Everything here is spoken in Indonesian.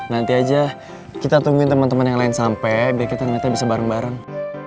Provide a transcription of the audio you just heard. nanti aja kita tungguin teman teman yang lain sampai biar kita ternyata bisa bareng bareng